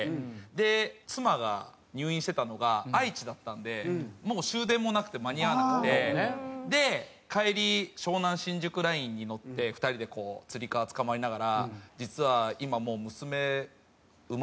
で妻が入院してたのが愛知だったのでもう終電もなくて間に合わなくて。で帰り湘南新宿ラインに乗って２人でつり革つかまりながら「実は今もう娘生まれそうなんだよね」